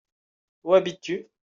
Où habites-tu ?